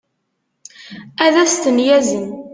ad as-ten-yazen